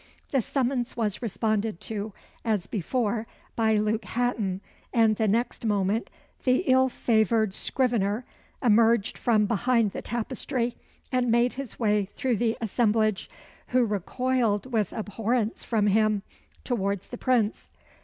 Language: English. The summons was responded to as before by Luke Hatton, and the next moment the ill favoured scrivener emerged from behind the tapestry, and made his way through the assemblage, who recoiled with abhorrence from him, towards the Prince.